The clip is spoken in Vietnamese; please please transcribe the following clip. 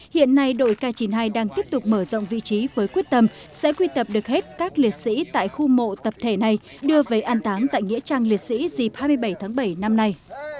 hiện nay đội k chín mươi hai đang tiếp tục mở rộng vị trí với quyết tâm sẽ quy tập được hết các liệt sĩ tại khu mộ tập thể này đưa về an táng tại nghĩa trang liệt sĩ dịp hai mươi bảy tháng bảy năm nay